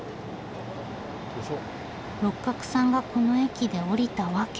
六角さんがこの駅で降りた訳は。